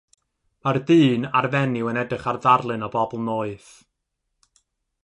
Mae'r dyn a'r fenyw yn edrych ar ddarlun o bobl noeth.